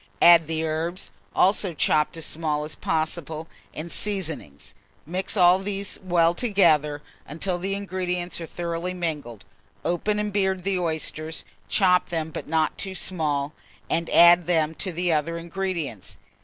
Add the herbs, also chopped as small as possible, and seasoning; mix all these well together, until the ingredients are thoroughly mingled. Open and beard the oysters, chop them, but not too small, and add them to the other ingredients.